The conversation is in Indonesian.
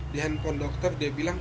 di handphone dokter dia bilang